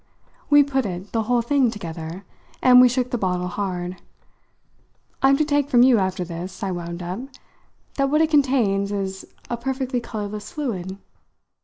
We put it, the whole thing, together, and we shook the bottle hard. I'm to take from you, after this," I wound up, "that what it contains is a perfectly colourless fluid?"